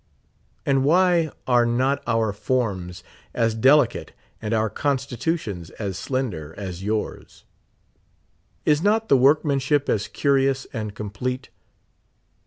And why are not our forms as delicate and our constitutions as slender as yours? Is not the workmanship as curious and complete?